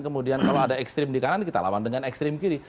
kemudian kalau ada ekstrim di kanan kita lawan dengan ekstrim kiri